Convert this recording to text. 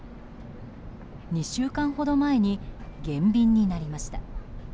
２週間ほど前に減便になりました。